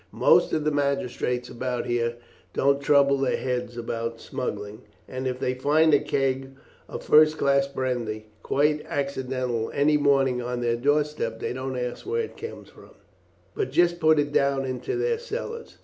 Most of the magistrates about here don't trouble their heads about smuggling, and if they find a keg of first class brandy quite accidental any morning on their doorstep, they don't ask where it comes from, but just put it down into their cellars.